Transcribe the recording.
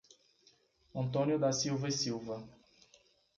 Antônio da Silva E Silva